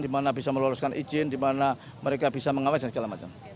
dimana bisa meluluskan izin dimana mereka bisa mengawasi dan segala macam